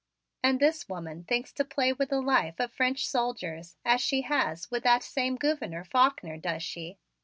"And this woman thinks to play with the life of French soldiers as she has with that same Gouverneur Faulkner, does she?